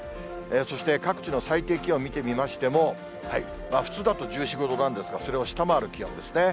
そして各地の最低気温見てみましても、普通だと１４、５度なんですが、それを下回る気温ですね。